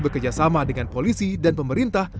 bekerjasama dengan polisi dan pemerintah